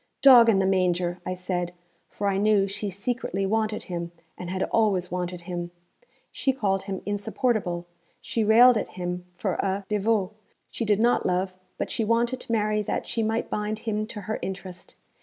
'Dog in the manger!' I said, for I knew she secretly wanted him, and had always wanted him. She called him 'insupportable'; she railed at him for a 'devot.' She did not love; but she wanted to marry that she might bind him to her interest.